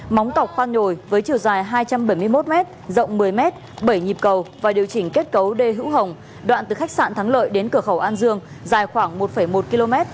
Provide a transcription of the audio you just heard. móng cọc khoan nhồi với chiều dài hai trăm bảy mươi một m rộng một mươi m bảy nhịp cầu và điều chỉnh kết cấu đê hữu hồng đoạn từ khách sạn thắng lợi đến cửa khẩu an dương dài khoảng một một km